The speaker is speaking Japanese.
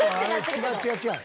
あれ違う違う違う。